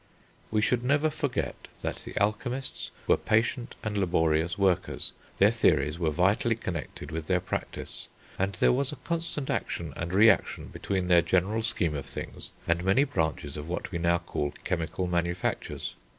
We should never forget that the alchemists were patient and laborious workers, their theories were vitally connected with their practice, and there was a constant action and reaction between their general scheme of things and many branches of what we now call chemical manufactures.